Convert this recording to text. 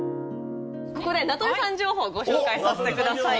ここで名取さん情報ご紹介させてください。